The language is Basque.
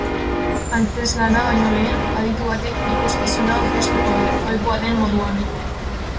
Antzezlana baino lehen, aditu batek ikuskizuna aurkeztuko du, ohikoa den moduan.